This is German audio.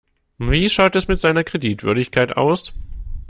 Wie schaut es mit seiner Kreditwürdigkeit aus?